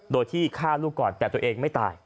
โดยที่ฆ่าลูกก่อนแต่ตัวเองไม่ตาย